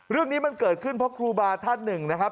เรื่องนี้มันเกิดขึ้นเพราะครูบาท่านหนึ่งนะครับ